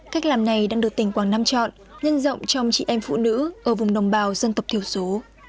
cách làm này đang được tỉnh quảng nam chọn nhân rộng trong chị em phụ nữ ở vùng đồng bào dân tộc thiểu số